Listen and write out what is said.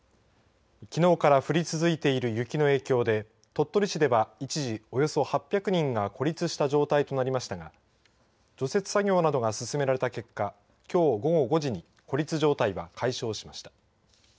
きのうから降り続いている雪の影響で鳥取市では一時およそ８００人が孤立した状態となりましたが除雪作業などが進められた結果きょう午後５時に孤立状態は解消しました。